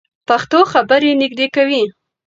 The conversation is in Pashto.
پښتو خبرې نږدې کوي.